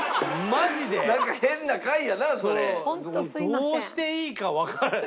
どうしていいかわからない。